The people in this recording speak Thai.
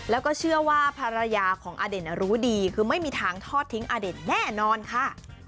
แล้วก็เชื่อว่าภรรยาของอเด่นรู้ดีคือไม่มีทางทอดทิ้งอเด่นแน่นอนค่ะ